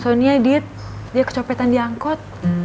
sonya diet dia kecopetan di angkot